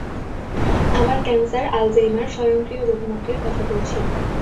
আমরা cancer, Alzheimer, স্বয়ংক্রিয় রোগমুক্তির কথা বলছি।